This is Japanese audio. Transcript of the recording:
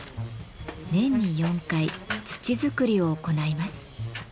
年に４回土作りを行います。